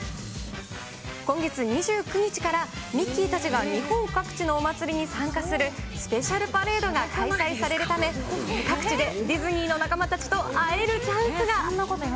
今月２９日から、ミッキーたちが日本各地のお祭りに参加するスペシャルパレードが開催されるため、各地でディズニーの仲間たちと会えるチャンスが。